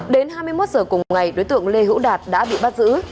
đến hai mươi một giờ cùng ngày đối tượng lê hữu đạt đã bị bắt giữ